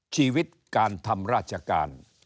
ชีวิตการทำราชการ